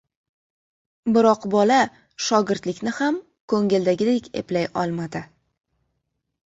Biroq bola shogirdlikni ham koʻngildagidek eplay olmadi.